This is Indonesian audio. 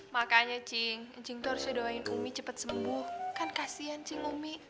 makanya cing cing tuh harus ya doain umi cepet sembuh kan kasian cing umi